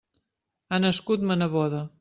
Ha nascut ma neboda.